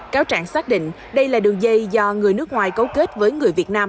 cáo trạng xác định đây là đường dây do người nước ngoài cấu kết với người việt nam